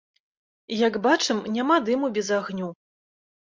Як бачым, няма дыму без агню.